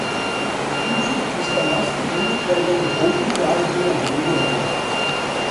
Um surfista masculino pega um pouco de ar de uma grande onda.